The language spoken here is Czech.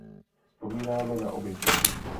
Vzpomínáme na oběti.